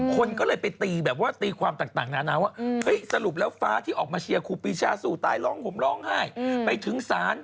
คนก็เลยไปตีแบบว่าตีความต่างนานาว่าเฮ้ยสรุปแล้วฟ้าที่ออกมาเชียร์ครูปีชาสู่ตายร้องห่มร้องไห้ไปถึงศาล